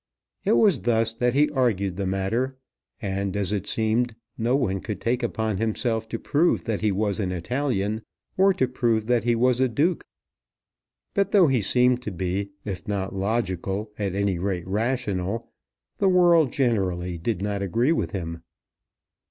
It was thus that he argued the matter; and, as it seemed, no one could take upon himself to prove that he was an Italian, or to prove that he was a Duke. But, though he seemed to be, if not logical, at any rate rational, the world generally did not agree with him.